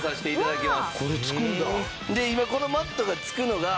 で今このマットが付くのが。